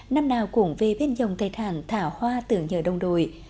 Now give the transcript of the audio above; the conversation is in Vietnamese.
năm nào cũng về biến dòng tài thản thả hoa tưởng nhờ đồng đội